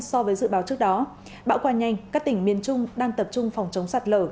so với dự báo trước đó bão qua nhanh các tỉnh miền trung đang tập trung phòng chống sạt lở